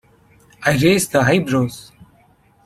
I raised the eyebrows.